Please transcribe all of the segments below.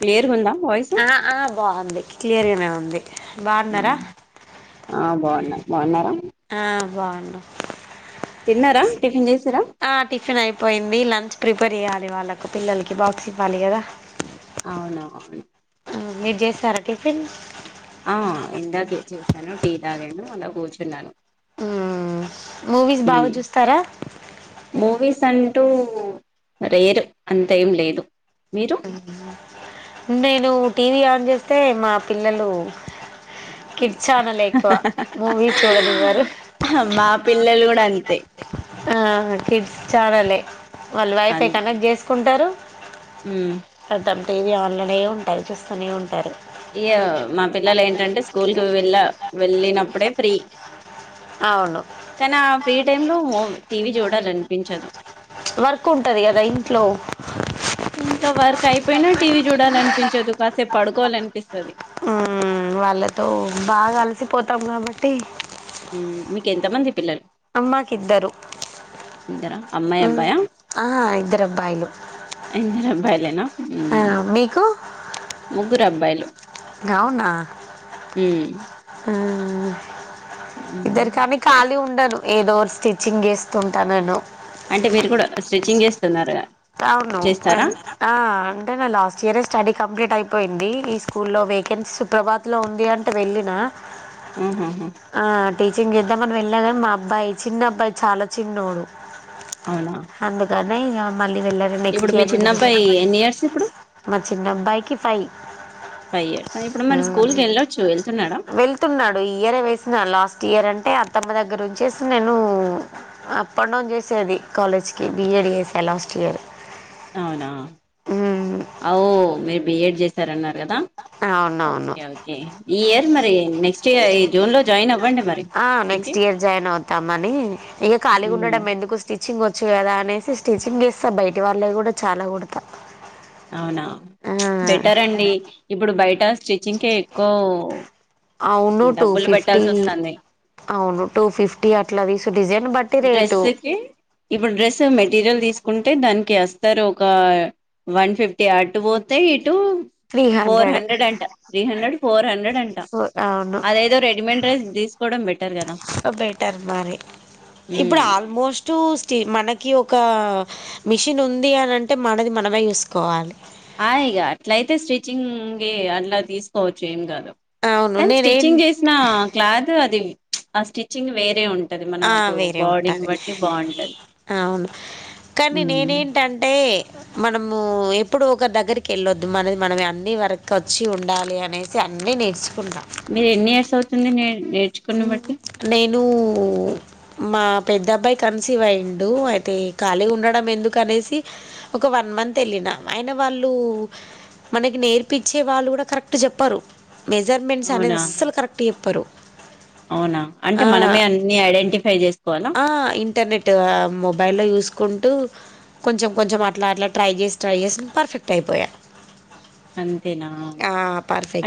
Clear ఉందా voice ఆ ఆ బాగుంది క్లియర్గానే ఉంది బాగున్నారా ఆ బాగున్నా బన్నారా ఆ బాగుండా తిన్నారా టిఫిన్ చే ఆ టిఫిన్ అయిపోయింది లంచ్ ప్రిపేర్ చేయ్యాలి వాళ్ళకు పిల్లలకి బాక్స్ ఇవ్వాలి కదా అవున అవును మీరు చేస్తారా టిఫిన్ ఆ ఇందాకే చేశాను టీ తాగాను అలా కూర్చున్నాను మ్ మూవీస్ బాగా చూస్తారా మూవీస్ అంటూ రేరు అంతేం లేదు మీరు నేను టీవీ ఆన్ చేస్తే మా పిల్లలు కిర్చాన లే ఎక్కువ మూవీ చూడ ఇవ్వరు మా పిల్లలు కూడా అంతే ఆ తిర్ చాడలేే వాళ్లు వైఫై కనెక్ట్ చే కుంటారు మ్ తెది పలనే ఉంటారు చూస్తూనే ఉంటారు ఇయ్య మా పిల్లలు ఏంటంటే స్కూల్ కి వెళ్ళ వెళ్ళినప్పుడే ఫ్రీ అవును తన ఫ్రీ టైమ్ లో మ టీవి చూడ అనిపించదు వర్క్ ఉంటది కదా ఇంట్లో ఇంట్లో వర్క్ అయిపోయినా టీవీ చూడాలనిపించదు, కాసేపు పడుకోవాల అనిపిస్తుంది మ్మ్ వాళ్ళతో బాగా అలిసిపోతాం కాబట్టి మీకు ఎంత మంది పిల్లలు అమ్మాకి ఇద్దరు ఇద్దరా అమ్మాయి మ్మ్ అబ్బాయా ఆ ఇద్దరు అబ్బాయిలు ఇద్దరు అబ్బాయిలేనా ఆ మీకు ముగ్గురు అబ్బాయిలు గవునా మ్ ఇద్దరుకి కని కాలి టను ఏదోర్ స్టిచ్చింగ్ చేస్తుంటా నేను తిన్నార్గా అవును వెన్ ఆ అంటే నేన్ లాస్ట్ ఇయరే స్టడీ కంప్లీట్ అయిపో పోయింది ఈ స్కూల్లో వేకెన్సీ సుప్రభాత్ లో ఉంది అంటే వెళ్ళిన ఆహాహా ఆ టీచింగ్ ఇద్దాం అని పోయ్ ఇలాగా మా అబ్బాయి చిన్న అబ్బాయి చాలా చిన్నోడు అవునా రై రాబ్ ఇప్పుడు మీ చిన్నబ్బాయి ఎన్ని ఇయర్స్ ఇప్పుడు ఫైవ్ ఇయర్స్ ఇప్పుడు మరి స్కూల్ కి వెళ్ళొచ్చు వెళ్తున్నాడా వెళ్తున్నాడు ఈ ఇయర్ యే వేస్నాడు లాస్ టీర్ అంటే అత్తమ్మ దగ్గర ఉంచేసి నేను అప్ అండ్ డౌన్ చేసేది కాలేజ్కి బిఏడడి చేసి ఎలాస్ట్ ఇయర్ అవునా ఔ మీ బి ఏడ్ చేశారు అన్నారు కదా అవునవును ఓకే ఓకే ఈ ఇయర్ మరి నెక్స్ట్ ఇయర్ జూన్ లో జాయిన్ అవ్వండి మరి ఆ నెక్స్ట్ ఇయర్ జాయిన్ అవుతామని ఇగ ఖాళీ ఇంకే ఉండడం ఎందుకు స్టిచింగ్ వొ చ్చు కదా అనేసి స్టిచ్చింగ్ చెస్తా బయటి వాళ్ళవి కూడా చాలా కుడతా అవునా ఆ, బెటర్ అండి ఇప్పుడు బయట స్టిచ్చింగ్ కే ఎక్కువ్ అవును టూ ఫిఫ్టీ అవును టూ ఫిఫ్టీ అట్లా దీసు డిజైన్ బట్ డ్రెస్సుకి ఇప్పుడు డ్రెస్ మెటీరియల్ ది తీసుకుంటే దానికి ఏస్తారు ఒక వన్ ఫిఫ్టీ అటు పోతే టు ఫోర్ హండ్రెడ్ అంట త్రీ హండ్రెడ్ ఫోర్ హండ్రెడ్ అంట సో అవును అదేదో రెడిమేడ్ డ్రైస్ తీసుకోవడం బెటర్ కదా బెటర్ మరి ఇప్పుడు ఉమ్, ఆల్మోస్ట్ స్టీ మనకి ఒక మిషిన్ ఉంది అనంటే మనది మనమే చూసుకోవాలి ఆ ఇగ అట్లయితే స్టిచ్చింగ్ గి అట్లా తీసుకోవచ్చు ఏం గాదు అవును కానీ నేనేం స్టిచ్చింగ్ చేసిన క్లాత్ అది ఆ స్టిచ్చింగ్ వేరే ఉన్ ఆ వేరే ఉంటాది బాగుంటది అవును కానీ ఉమ్ నేనేంటంటే మనము ఎప్పుడు ఒక దగ్గరికి వెళ్ళొద్దు మనది మనం అన్నీ వరక్ వచ్చి ఉండాలి అనేసి అన్ని నేర్చుకుంటా మీరు ఎన్ని ఇయర్స్ అవుతుంది నే నేర్చుకున్న బట్టి నేను మా పెద్దబ్బాయి కన్సీవ్ అయిండు అయితే ఖాళీ ఉండడం ఎందుకు అనేసి ఒక వన్ మంత్ ఎళ్ళినా ఆయిన వాళ్ళు మనకి నేర్పిచ్చే వాళ్ళు కూడా కరెక్ట్ చెప్పరు మెజర్మెంట్స్ అనేది అవునా అస్సలు కరెక్ట్ చెప్పరు అవునా అంటే ఆ, మనమే అన్నీ ఐడెంటి ఫై చేస్ ఆ ఇంటర్నెట్ మొబైల్లో చూస్కున్ టు కొంచెం కొంచెం అట్లా అట్లా ట్రై చేసి ట్రై చేసి పర్ఫెక్ట్ అయిపోయా అంతేనా ఆ,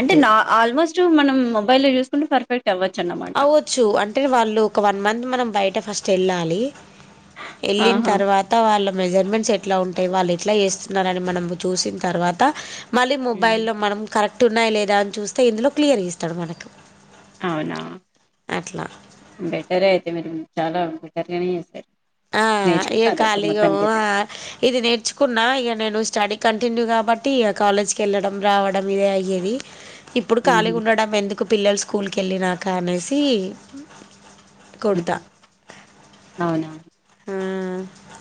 అంటే నా ఆల్మోస్ట్ టు మనం మొబైల్ లో చూకుంటు పర్ఫెక్ట్ అవ్వచ్చు అన్నమాట అవ్వచ్చు అంటే వాళ్ళు ఒక వన్ మంత్ మనం బయట ఫస్ట్ చెళ్ళాలి వెళ్ళిన ఆహా తర్వాత వాళ్ళ మెజర్మెంట్స్ ఎట్లా ఉంటాయి వాళ్ళు ఎట్లా చేస్తున్నారుని మనం చూసిన తర్వాత మళ్ళీ ఉహు. మొబైల్ల్లో మనం కరెక్ట్ పట్టు ఉన్నాయి లేదా అని చూస్తే ఇందులో క్లియర్ ఇస్తాడు మనకు అవునా అట్లా బెటరే ఐతే మరి చాలా బెటర్ గానే చేస్తారు ఆ ఏ కళీగ ఆ ఇది నేర్చుకున్నా ఇక నేను స్టడీ క న్ కాబట్టి కాలేజ్కి వెళ్ళడం రావడం ఇదే అయ్యేది ఇప్పుడు ఖాళీ ఉహు, ఉండడం ఎందుకు ఒక పిల్లలు స్కూల్కి వెళ్ళినాక అనేసి కొడతా ఉహుమ్ అవునా ఆ,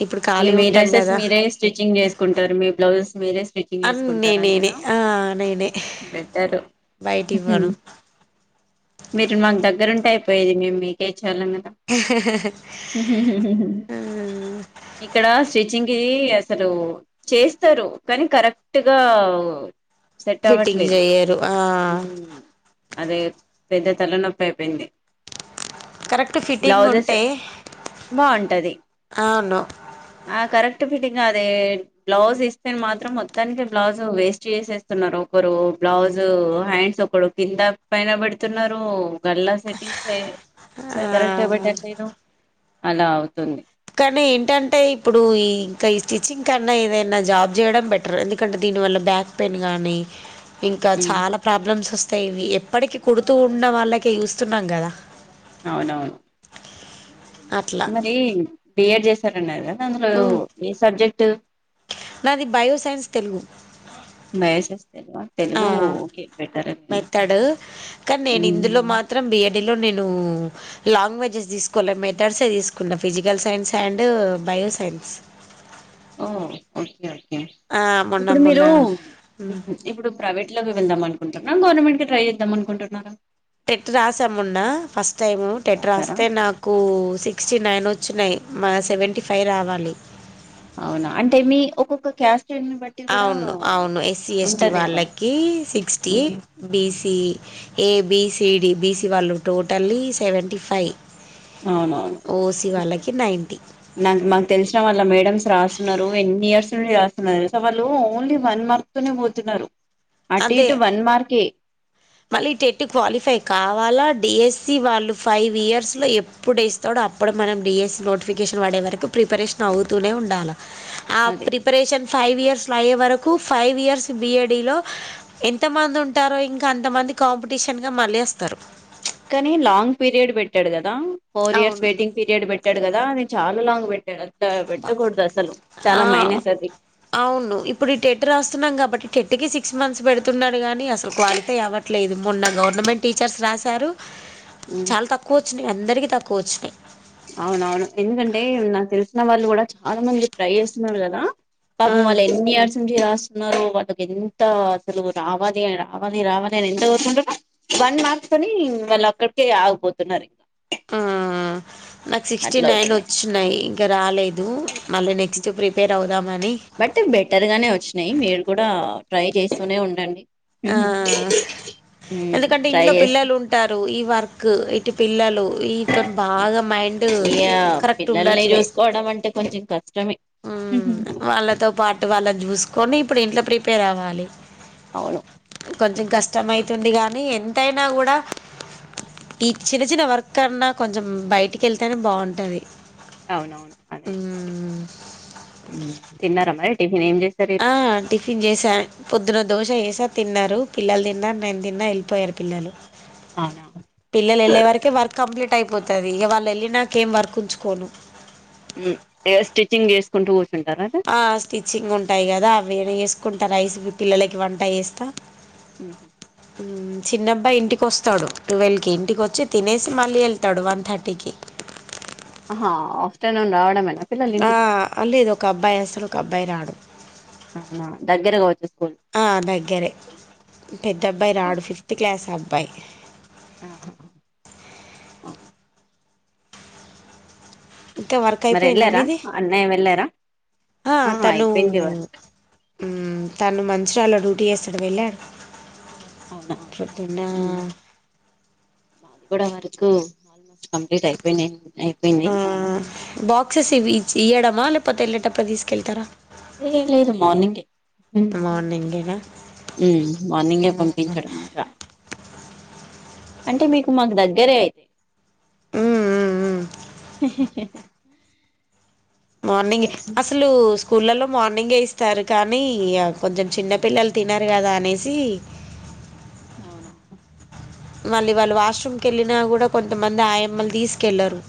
ఇప్పుడు ఇక ఖాళీ మీ ఉంటాం డ్రెసెస్ కదా మీరే స్టిచ్చింగ్ చేసుకుంటారు మీ బ్లౌజ్ వేరే చెంగ్ అని చేసుకుంట నేనేనే అంతేనా ఆ, నేనే బెటర్ బయట హు హు ఇవ్వను మీరు మాకు దగ్గర యిపోయిది మేమ్ కె చలనా రా హు హు హు ఆ. ఇక్కడ స్టిచ్చింగ్ అసలు చేస్తారు కానీ కరెక్ట్గా సెట్ ఫిట్టింగ్ అవ్వట్లేదు చెయ్యరు ఆ ఉమ్ అదే పెద్ద తల నొప్పి అయిపోయింది కరెక్ట్ ఫిట్టింగ్ బ్లౌజెస్ ఉంటే బాగుంటది అవును ఆ కరెక్ట్ ఫిటింగ్ అదే బ్లౌజ్ ఇస్తే మాత్రం మొత్తానికి బ్లౌజ్ వేస్ట్ చేసేస్తున్నారు ఒకరు బ్లౌజు హ్యాండ్స్ ఒకరు కింద పైన పెడుతున్నారు గల్లా సెటింగ్ స ఆ అసల్ కరక్గా పెటాట్లేధు అలా అవుతుంది కానీ ఏంటంటే ఇప్పుడు ఈ ఇంకా ఈ స్టిచ్చింగ్ కన్నా ఏదైనా జాబ్ చేయడం బెటర్ ఎందుకంటే దీనివల్ల బ్యాక్ పెయిన్ గానీ ఇంకా ఉమ్, చాలా ప్రాబ్లమ్స్ వస్తాయి థి ఇవి ఎప్పటికిీ కుడుతూ ఉన్న వాళ్ళకే చూస్తున్నాం కదా అవునవును అట్లా మరి బిఏడ్ చేశారున్న కదా అందులో మ్మ్ ఏ సబ్జెక్ట్ నాది బయో సైన్స్ తెలుగు మ్యాక్స్ తెలవ తెలుగు బెటర్ వేతాడు కనీ నేను ఇందులో మాత్రం బియ దీనిలో నేను లాంగ్వేజెస్ తీసుకోవాలి మెథడ్స్ే తీసుకున్నా physical science and bio science um ఓ ఓకే ఓకే ఆ మొన్న ఇప్పుడు మొన్న మీరు ఇప్పుడు ప్రైవేట్ దీనిలోకె వెళ్దాం అనుకుంటున్నా గవర్నమెంట్ క ట్రై చేద్దామ అనుకుంటున్నార టెట్ రాసా మోన్న ఫస్ట్ టైం ఇది టెట్ రాసారా రాస్తే నాకు సిక్స్టీ నైన్ వచ్చినయి మ సెవెంటీ ఫైవ్ రావాలి అవున అంటే మీ ఒక్కొక్క క్యాస్ట్ బట్టి కూడా అవును అవును ఎస్సి ఎస్టి ఉంటది కదా వాళ్ళకి sixty um, BC A B C D BC వాళ్ళు టోటల్లీ సెవెంటీ ఫైవ్ అవునవును ఓసీ వాళ్ళకి నైంటీ నాక్ మాకు తెలిసిన వల్ల మేడమ్స్ రాస్తున్నరు ఎన్ని ఇయర్స్ నుండి రాస్తున్నారు సో వాళ్ళు ఓన్లీ వన్ మార్కుతోనే పోతున్నారు అటు ఇటు వన్మార్కే మళ్ళి టెట్ క్వాలిఫై కావాలా డీఎస్సి వాళ్ళు ఫైవ్ ఇయర్స్లో ఎప్పుడు వేస్తాడో అప్పుడు మనం డిఎస్సి నోటిఫికేషన్ పడే వరకు ప్రిపరేషన్ అవుతూనే ఉండాల అ అదే ప్రిపరేషన్ ఫైవ్ ఇయర్స్ లయ్యే వరకు ఫైవ్ ఇయర్స్ బిఏడిలో ఎంత మంది ఉంటారో ఇం ఇంక అంతమంది కాంపిటీషన్గా మళ్ళేస్తరు కనీ లాంగ్ పీరియడ్ పెట్టాడు కదా కదా ఫోర్ ఇయర్స్ అవును వెయిటింగ్ పీరియడ్ పెట్టాడు కదా చాల లాంగ్ పెట్ అంటె అట్ట పెట్టకూడదు అసలు చాలా ఆ మైనస్ అది వస్తున్నాం కాబట్టి టెట్ కి సిక్స్ మంత్స్ పెడుతున్నాడు కానీ అసలు క్వాలిఫై అవ్వట్లేదు మొన్న గవర్నమెంట్ టీచర్స్ రాశారు ఉమ్, చాల తక్కువచ్చునయి ఎ అందరికీ తక్కువ వచ్చినయి అవునవును ఎందుకంటే నాకు తెలిసిన వాళ్ళు కూడా చాలా మంది ట్రై చేస్తున్నారు కదా పాపం ఆ, వాళ్ళు ఎన్ని ఇయర్స్ నుండి రాస్తున్నారు వాళ్ళకి ఎంత అసలు రావాలి రావాలి రావాలి అని ఎంత కోరుకుంటరు వన్ మార్కొని వాళ్ళు అక్కడికే ఆగిపోతున్నారు ఇంకా ఆ నాకు సిక్స్టీ అట్లా నైన్ అవుతుంది వచ్చినాయి ఇంక రాలేదు మళ్ళీ నెక్స్ట్ ప్రిపేర్ అవ బట్ బెటర్ గానె వచ్చినాయి మీరు కూడా ట్రై చేస్తూనే ఉండండి ఆ ఎందుకంటే ట్రై ఇంట్లొ చేస్త పిల్లలు ఉంటారు వర్క్ ఇటు పిల్లలు ఈతో బాగా మైండ్ ఇయడ పిల్లల్ని చూసుకోవడం అంటే కొంచెం కష్టం ఉమ్ వాళ్ళతో పాటు వాళ్ళని చూసుకొని ఇప్పుడు ఇంట్లో ప్రిపేర్ అవ్వాలి అవును కొంచెం కష్టం అయితుంది కానీ ఎంతైనా కూడా ఈ చిన్న చిన్న వర్క్ అన్నా కొంచెం బయటికి వెళ్తేనే బాగుంటుది అవునవును అదైతే ఉంది తిన్నారా మరి టిఫిన్ ఏం ఛే ఆ టిఫిన్ చేసాను పొద్దున దోశ చేశా తిన్నారు పిల్లలు తిన్నారు నేను తిన్నా వెళ్ళిపోయారు పిల్లలు అవునా పిల్లలు వెళ్ళే వరకే వర్క్ కంప్లీట్ కట్ అయిపోతది ఇక వాళ్ళు వెళ్ళి నాక ఏం వర్క్ ఉంచుకోను స్టిచ్చింగ్ చేసుకుంటూ కూర్చు ఆ స్టిచ్చింగ్ ఉంటాయి కదా అవిఇవి చేసు కుంటా రైస్ పిల్లలకి వంట చేస్త ఉహూ చిన్నబ్బాయి ఇంటికి వస్తాడు టువల్కి ఇంటికి వచ్చి తినేసి మళ్ళీ వెళ్తాడు వన్ థర్టీకి హా హా ఆ అ లేదు ఒక అబ్బాయి వస్తాడు ఒక అబ్బాయి రాడు అవునా దగ్గర కావచ్చు స్కూల్ ఆ దగ్గరే పెద్ద అబ్బాయి రాడు ఫిఫ్త్ క్లాస్ అబ్బా బాయ్ ఆహా ఇంకా వర్క్ మరి అయిపోయిందా వెళ్ళారా మీది అన్నయ్య వెళ్ళారా ఆ అయిపోయింది వర్క్ ఉమ్ తను మంచరాలో డ్యూటీ చేస్తాడు వెళ్ళాడు అవునా ప్రొద్దున్న అది కూడా వర్కు కంప్లీట్ అయిపోయినాయి అయిపోయినాయి ఆ బాక్సెస్ ఇవి ఇయ్యడమా లేకపోతే వెళ్లేటప్పుడు తీసుకెళ్తారా లేదు లేదు మార్నింగే ఉమ్ మార్నింగేనా మార్నింగే పంపించడం ఇంకా అంటే మీకు మాకు దగ్గరే మ్మ్ మ్మ్ మ్మ్ మార్నింగ్ అసలు స్కూళ్ళలో మార్నింగ్ ఇస్తారు కానీ కొంచెం చిన్నపిల్లలు తినరు కదా అనేసి అవునా మళ్ళీ వాళ్ళు వాష్రూమ్కు వెళ్ళినా కూడా కొంతమంది ఆయమ్మలు తీసుకెళ్లరు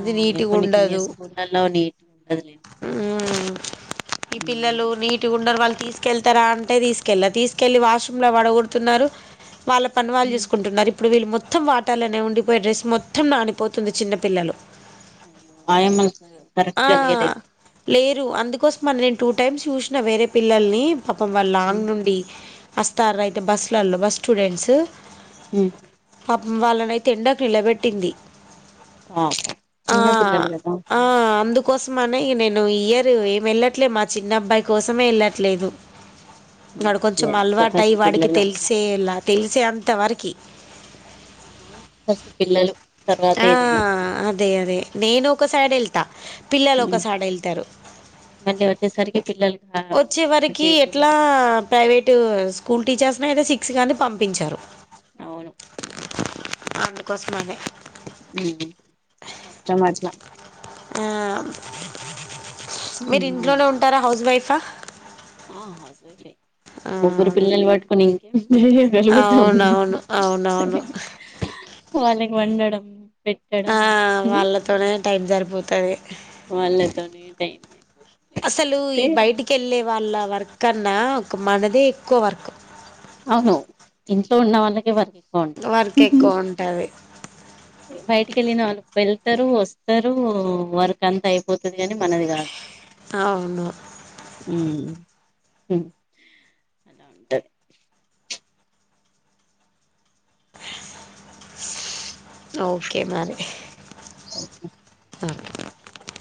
ఆ కొన్ని కొన్ని స్కూల్ లలో నీటీగ ఉండదులేండి ఉమ్ ఈ ఉమ్ పిల్లలు నీటిగా ఉండరు వాళ్ళ తీసుకెళ్తారా అంటే తీసుకెళ్ళా తీసుకెళ్ళి వాష్రూమ్ లో పడగొడుతున్నారు వాళ్ళ పని వాళ్ళు ఉమ్. చూసుకుంటున్నారు ఇప్పుడు వీళ్ళు మొత్తం వాటర్ లనే ఉండిపోయి డ్రెస్ మొత్తం నానిపోతుంది చిన్న పిల్లలు మాయమ్మనే కరెక్ట్ గా లేదయితే లేరు అందుకోసం మనే నేను టూ టైమ్స్ చూసినా వేరే పిల్లల్ని పాపం వాళ్ళు ఉమ్ లాంగ్ నుండి వస్తారు అయితే బస్సులల్లో బస్ స్టూడెంట్స్ హు పాపం వాళ్లని అయితే ఎండకు నిలబెట్టింది ఆ ఆ, చిన్న పిల్లలుగదా ఆ, అందుకోసమనే యి నేను ఇయర్ ఏమి వెళ్ళట్లే మా చిన్న అబ్బాయి కోసమే ఎళ్ళట్లేదు ఉమ్ వాడు అదే కొంచెం అదే అలవాటయి ఫస్ట్ వాడికి పిల్లలు తెలిసేలా తెలిసే అంత వరకి ఫస్ట్ పిల్లలు తర్వాతే ఏదైనా దే అదే నేను ఒకసైడ్ వెళ్తా పిల్లలు ఉమ్ ఒకసైడ్ ఎళ్తారు మళ్ళీ వచ్చేసరికి పిల్లలు కా- వచ్చే అటు వరకి ఇటు ఎట్లా ప్రైవేటు స్కూల్ టీచర్స్ అయితే సిక్స్ కంది పంపించరు అవును అందుకోసం అనే మ్ కష్టమార్స్ ఆ మీరు ఉమ్ ఇంట్లోనే ఉంటారా హౌస్ వైఫ్ ఆ ఆ అవునండి ముగ్గురు పిల్లల్ని పట్టుకొని ఇం ఏ చేయగలుతం అవునవును అవునవును మార్నింగ్ వండడం ఆ పెట్టడం వాళ్ళతోనే టైం సరిప్ పోతది వాళ్ళతోనే టై అయిపో అసలు ఈ బయటికేళ్ళే వాళ్ళ వర్క్ కన్నా ఒక మనదే ఎక్కువ వర్క్ అవును ఇంట్లో ఉన్న వాళ్ళకే వర్క్ ఎక్ వర్క్ ఎక్కువ ఉంటది బయటికి వెలి నళ వెళ్తారు వస్తారు వర్క్ అంత అయిపో పోతది కాని మనది కాదు అవును అలా ఉంటది ఓకే మరి ఓకే